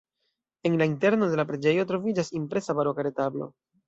En la interno de la preĝejo troviĝas impresa baroka retablo.